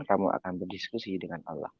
kamu akan berdiskusi dengan allah